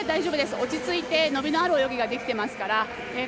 落ち着いて伸びのある泳ぎができています。